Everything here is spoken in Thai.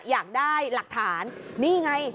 อยากได้หลักฐานนี่ไง